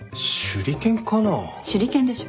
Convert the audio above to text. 手裏剣でしょ。